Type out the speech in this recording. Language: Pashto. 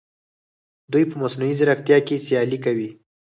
دوی په مصنوعي ځیرکتیا کې سیالي کوي.